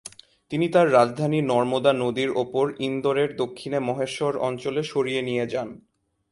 তিনি তার রাজধানী নর্মদা নদীর ওপর ইন্দোরের দক্ষিণে মহেশ্বর অঞ্চলে সরিয়ে নিয়ে যান।